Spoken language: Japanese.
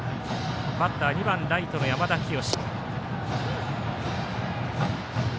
バッター２番、ライトの山田陽紫。